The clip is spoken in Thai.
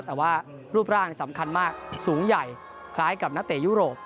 แต่ว่ารูปร่างสำคัญมากสูงใหญ่คล้ายกับนักเตะยุโรป